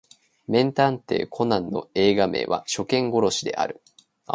名探偵コナンの映画名は初見殺しである